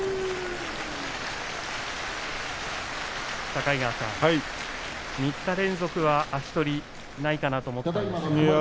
境川さん、３日連続は足取りないかなと思ったんですが。